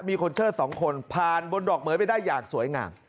มีคนเชิด๒คนผ่านบนดอกเหมือยไปได้อย่างสวยงาม